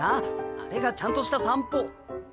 あれがちゃんとした散歩。